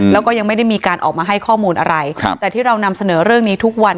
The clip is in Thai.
แล้วก็ยังไม่ได้มีการออกมาให้ข้อมูลอะไรครับแต่ที่เรานำเสนอเรื่องนี้ทุกวัน